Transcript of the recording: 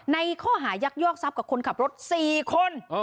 ในข้อหายักยอกทรัพย์กับคนขับรถ๔คน